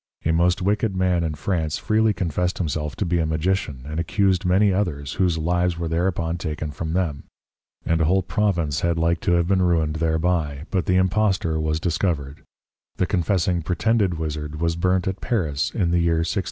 A most wicked Man in France freely confessed himself to be a Magician, and accused many others, whose Lives were thereupon taken from them; and a whole Province had like to have been ruined thereby, but the Impostor was discovered: The Confessing pretended Wizzard was burnt at Paris in the year 1668.